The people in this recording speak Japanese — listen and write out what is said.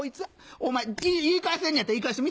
お前言い返せんねやったら言い返してみ？